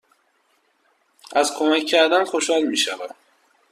از کمک کردن خوشحال می شوم.